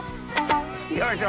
よいしょ。